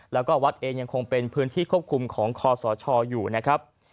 แล้วก็วัดเองยังคงเป็นพื้นที่ควบคุมของคอสชอยู่นะครับ